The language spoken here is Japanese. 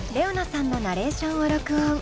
ＲｅｏＮａさんのナレーションを録音。